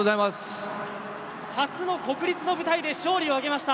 初の国立の舞台で勝利を挙げました。